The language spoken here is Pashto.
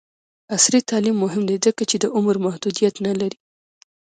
عصري تعلیم مهم دی ځکه چې د عمر محدودیت نه لري.